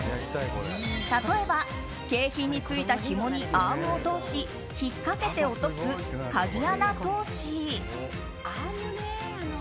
例えば、景品についたひもにアームを通し引っかけて落とす鍵穴通し。